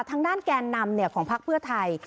ทางด้านแกนนำของพักเพื่อไทย